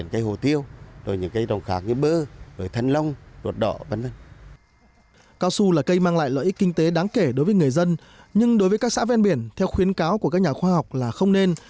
cao su là cây mang lại lợi ích kinh tế đáng kể đối với người dân nhưng đối với các xã ven biển theo khuyến cáo của các nhà khoa học là không nên